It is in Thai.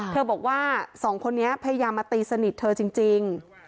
บอกว่าสองคนนี้พยายามมาตีสนิทเธอจริง